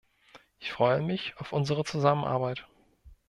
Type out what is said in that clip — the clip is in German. Ich freue mich auf unsere Zusammenarbeit.